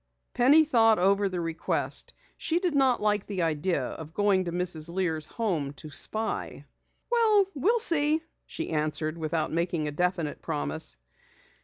Penny thought over the request. She did not like the idea of going to Mrs. Lear's home to spy. "Well, we'll see," she answered, without making a definite promise.